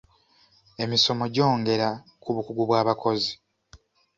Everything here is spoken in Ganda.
Emismo gyongera ku bukugu bw'abakozi.